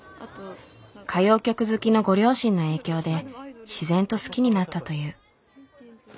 歌謡曲好きのご両親の影響で自然と好きになったという。